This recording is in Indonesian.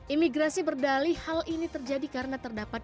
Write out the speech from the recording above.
imigrasi berdali hal ini terjadi karena terdapat